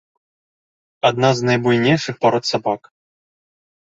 Адна з найбуйнейшых парод сабак.